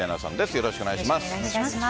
よろしくお願いします。